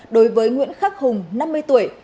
đối với nguyễn khắc hùng năm mươi tuổi